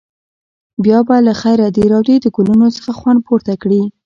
بیا به له خیره د روضې د ګلونو څخه خوند پورته کړې.